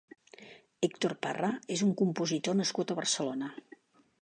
Hèctor Parra és un compositor nascut a Barcelona.